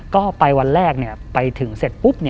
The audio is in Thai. ก็ไปวันแรกไปถึงเสร็จปุ๊บ